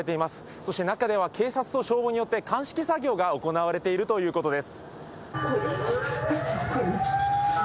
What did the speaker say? そして中では警察と消防によって、鑑識作業が行われているということです。